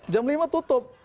jam lima tutup